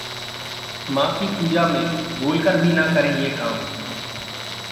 मां की पूजा में भूलकर भी ना करें ये काम...